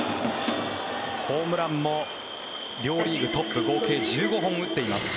ホームランも両リーグトップ合計１５本打っています。